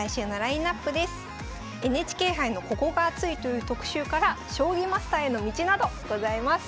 「ＮＨＫ杯のここがアツい！」という特集から「将棋マスターへの道」などございます。